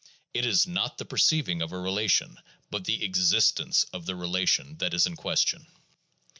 It is not the perceiving of a relation, but the existence of the relation, that is in question.